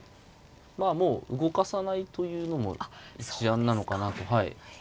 まあもう動かさないというのも一案なのかなと。